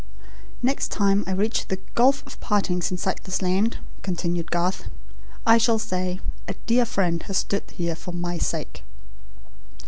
"Next time I reach the Gulf of Partings in Sightless Land," continued Garth, "I shall say: 'A dear friend has stood here for my sake.'"